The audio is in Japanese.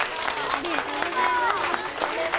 ありがとうございます。